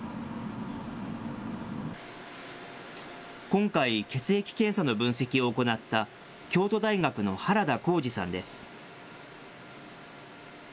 今回、血液検査の分析を行った、京都大学の原田浩二さんです。